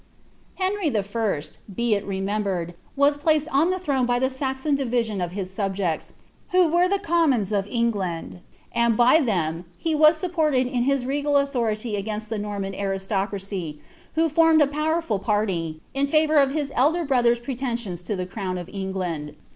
Henry the First, be it remembered, was placed on the ^rone by ifu Saxon dirisian of his subjects, who were the commons of England, and by litem he was supported in his regal authority agninst t>ie NotiMD aristocracy, who formed a powerful parly, in fevour of his elder broilier'i pretensions to the crown of England.